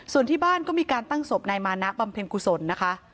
ส่วนที่บ้านก็มีการตั้งศพนายมานะบำเพ็ญกุศลนะคะ